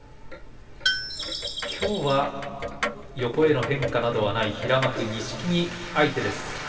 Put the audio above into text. きょうは横への変化などはない平幕錦木相手です。